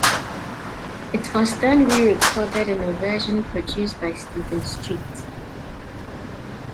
It was then re-recorded in a version produced by Stephen Street.